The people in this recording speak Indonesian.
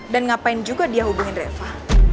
dan ngapain juga dia hubungin reva